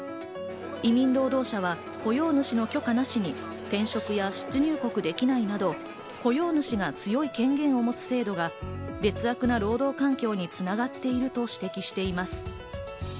移民労働者は雇用主の許可なしに、転職や出入国ができないなど、雇用主が強い権限を持つ制度が劣悪な労働環境に繋がっていると指摘しています。